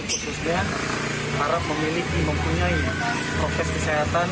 khususnya para pemiliki mempunyai profesi kesehatan